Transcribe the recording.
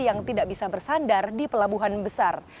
yang tidak bisa bersandar di pelabuhan besar